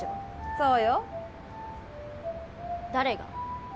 そうよ誰が？